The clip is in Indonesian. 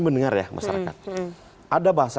mendengar ya masyarakat ada bahasa